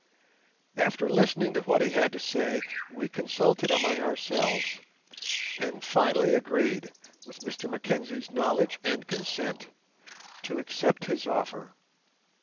After listening to what he had to say, we consulted among ourselves, and finally agreed, with Mr Mackenzie's knowledge and consent, to accept his offer.